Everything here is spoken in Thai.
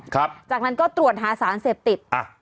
ครับจากนั้นก็ตรวจหาสารเสพติดอ่ะ